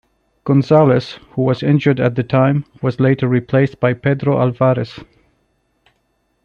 Gonzalez, who was injured at the time, was later replaced by Pedro Alvarez.